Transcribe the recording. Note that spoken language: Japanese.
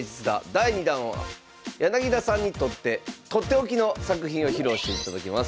第２弾は柳田さんにとってとっておきの作品を披露していただきます。